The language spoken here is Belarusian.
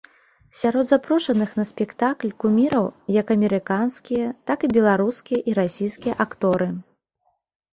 Сярод запрошаных на спектакль куміраў як амерыканскія, так і беларускія, і расійскія акторы.